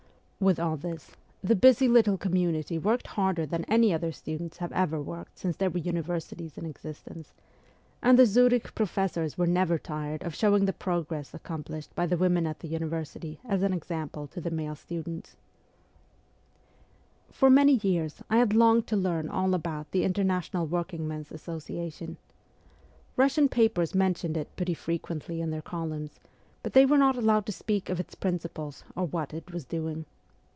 ' With all this the busy little community worked harder than any other students have ever worked since there were universities in existence, and the Zurich professors were never tired of showing the progress accomplished by the women at the university as an example to the male students. For many years I had longed to learn all about the International Workingmen's Association. Russian papers mentioned it pretty frequently in their columns, but they were not allowed to speak of its principles or what it was doing.